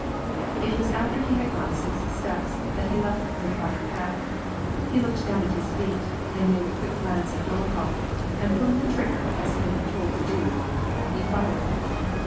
It was after he had gone six steps, that he left the trodden path : he looked down at his feet, then gave a quick glance [it Dolokhof, and pulling the trigger, as he had been told to do, he fired.